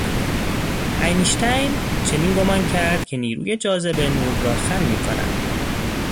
انیشتن چنین گمانه کرد که نیروی جاذبه نور را خم می کند.